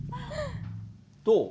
どう？